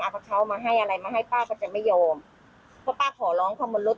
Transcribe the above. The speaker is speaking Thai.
เอาเขามาให้อะไรมาให้ป้าก็จะไม่ยอมเพราะป้าขอร้องเขาบนรถ